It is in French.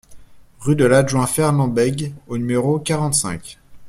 Rue de l'Adjoint Fernand Bègue au numéro quarante-cinq